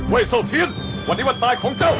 โซเทียนวันนี้วันตายของเจ้า